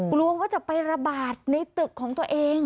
กลัวว่าจะไประบาดในตึกของตัวเอง